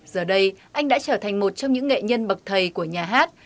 giờ đây anh đã trở thành một trong những nghệ nhân bậc thầy của nhà hát